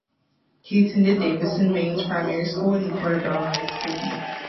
He attended Davidson's Mains Primary School and Portobello High School.